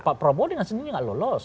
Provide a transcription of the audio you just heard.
pak prabowo dengan sendirinya nggak lolos